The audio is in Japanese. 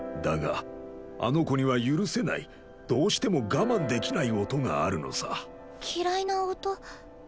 だがあの子には許せないどうしても我慢できない音があるのさ。